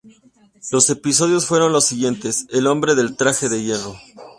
Los episodios fueron los siguientes: "El hombre del traje de hierro!